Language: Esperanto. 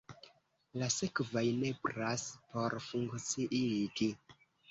La sekvaj nepras por funkciigi.